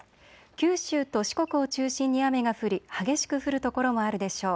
九州と四国を中心に雨が降り激しく降る所もあるでしょう。